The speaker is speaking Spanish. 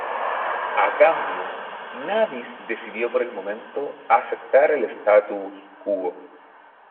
A cambio, Nabis decidió por el momento aceptar el "statu quo".